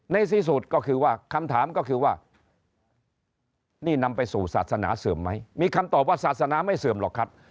ในที่สุดก็คือว่าคำถามก็คือว่านี่นำไปสู่ศาสนาเสื่อมไหมมีคำตอบว่าศาสนาไม่เสื่อมหรอกครับ